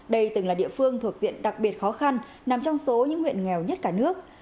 đây từng là địa phương thuộc diện đặc biệt khó khăn nằm trong số những huyện nghèo nhất cả nước